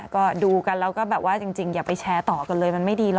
ก็ดูกันแล้วก็แบบว่าจริงอย่าไปแชร์ต่อกันเลยมันไม่ดีหรอ